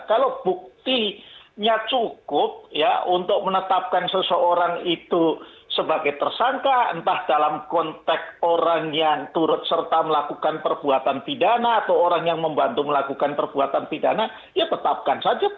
kalau buktinya cukup ya untuk menetapkan seseorang itu sebagai tersangka entah dalam konteks orang yang turut serta melakukan perbuatan pidana atau orang yang membantu melakukan perbuatan pidana ya tetapkan saja